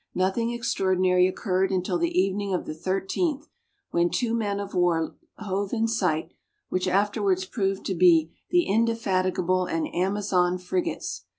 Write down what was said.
Nothing extraordinary occurred until the evening of the 13th, when two men of war hove in sight, which afterwards proved to be the Indefatigable and Amazon frigates.